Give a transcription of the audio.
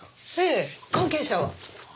ええ関係者は。